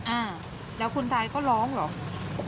อ่าแล้วคุณทายเขาร้องเหรอ